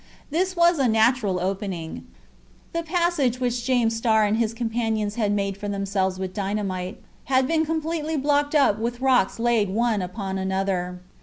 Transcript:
This was a natural opening. The passage which James Starr and his companions had made for themselves with dynamite had been completely blocked up with rocks laid one upon another.